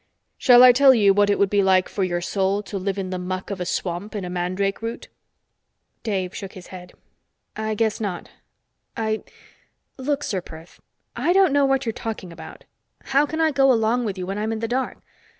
"Shall I tell you what it would be like for your soul to live in the muck of a swamp in a mandrake root?" Dave shook his head. "I guess not. I look, Ser Perth. I don't know what you're talking about. How can I go along with you when I'm in the dark?